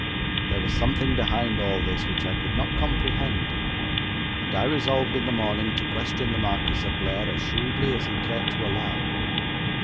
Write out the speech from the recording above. There was something behind all this which I could not comprehend, and I resolved in the morning to question the Marquis of Blair as shrewdly as he cared to allow.